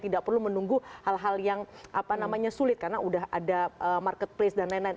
tidak perlu menunggu hal hal yang sulit karena udah ada marketplace dan lain lain